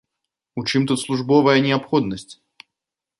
У чым тут службовая неабходнасць?